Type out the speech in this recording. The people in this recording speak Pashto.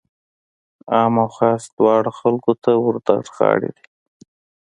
عام او خاص دواړو خلکو ته ورترغاړه کړي.